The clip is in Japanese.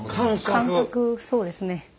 感覚そうですね。